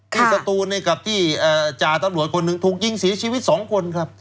สตูนกับที่จ่าตำรวจคนหนึ่งถูกยิงเสียชีวิต๒คนครับ